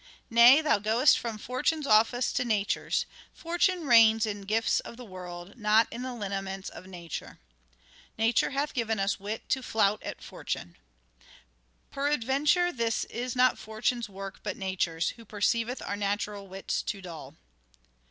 " Nay now thou goest from Fortune's office to Nature's : Fortune reigns in gifts of the world, not in the lineaments of Nature." " Nature hath given us wit to flout at Fortune." " Peradventure this is not Fortune's work but Nature's, who perceiveth our natural wits too dull."